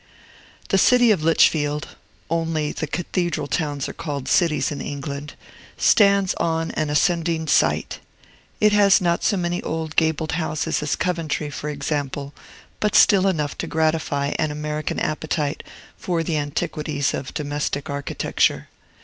The city of Lichfield (only the cathedral towns are called cities, in England) stands on an ascending site. It has not so many old gabled houses as Coventry, for example, but still enough to gratify an American appetite for the antiquities of domestic architecture.